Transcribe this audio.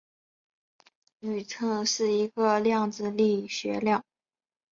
宇称是一个量子力学量。